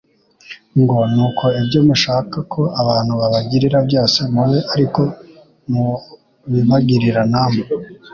ngo : "Nuko ibyo mushaka ko abantu babagirira byose mube ari ko mubibagirira namwe.""